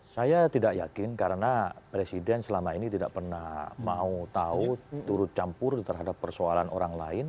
saya tidak yakin karena presiden selama ini tidak pernah mau tahu turut campur terhadap persoalan orang lain